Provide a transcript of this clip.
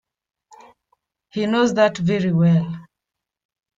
He knows that very well.